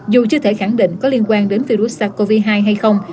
dù chưa thể khẳng định có liên quan đến virus sars cov hai hay không